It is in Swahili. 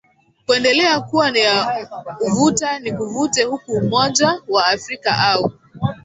kuendelea kuwa ya vuta nikuvute huku umoja wa afrika au